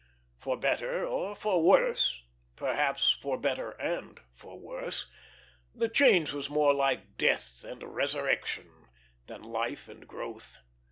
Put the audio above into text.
For better or for worse, perhaps for better and for worse, the change was more like death and resurrection than life and growth.